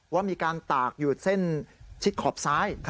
ว่ามีการตากอยู่เส้นชิดขอบซ้าย